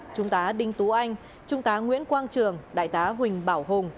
trung tá đinh tú anh trung tá nguyễn quang trường đại tá huỳnh bảo hùng